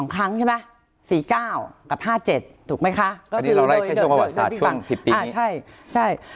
๒ครั้งใช่มะสี่เก้ากับห้าเจ็ดถูกมั้ยคะ